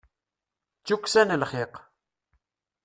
D tukksa n lxiq.